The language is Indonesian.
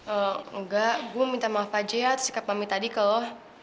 enggak gue mau minta maaf aja ya atas sikap mami tadi ke lo